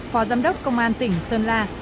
phó giám đốc công an tỉnh sơn la